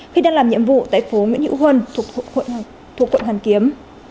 khi đang làm nhiệm vụ tại phố nguyễn hữu huân thuộc quận hoàn kiếm